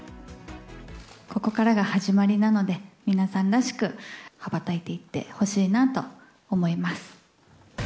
ここからが始まりなので、皆さんらしく、羽ばたいていってほしいなと思います。